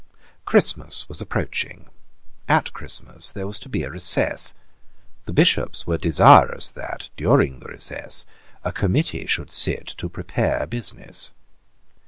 Christmas was approaching. At Christmas there was to be a recess. The Bishops were desirous that, during the recess, a committee should sit to prepare business.